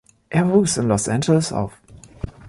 Er wuchs in Los Angeles auf.